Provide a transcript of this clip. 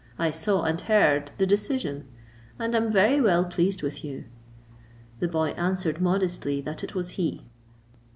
I saw and heard the decision, and am very well pleased with you." The boy answered modestly, that it was he.